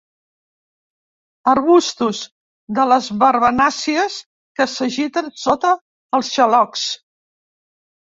Arbustos de les verbenàcies que s'agiten sota els xalocs.